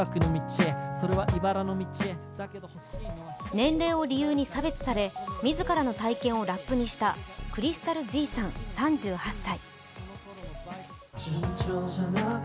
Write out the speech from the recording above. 年齢を理由に差別され自らの体験をラップにしたｃｒｙｓｔａｌ−ｚさん３８歳。